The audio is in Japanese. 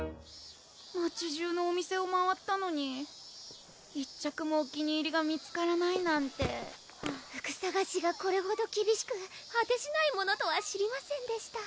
街中のお店を回ったのに１着もお気に入りが見つからないなんてハァ服さがしがこれほどきびしくはてしないものとは知りませんでした